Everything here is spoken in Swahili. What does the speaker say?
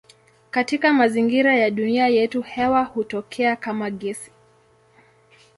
Katika mazingira ya dunia yetu hewa hutokea kama gesi.